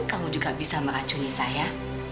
kamu juga bisa meracuni saya